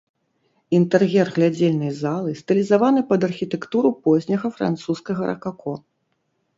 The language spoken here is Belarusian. Інтэр'ер глядзельнай залы стылізаваны пад архітэктуру позняга французскага ракако.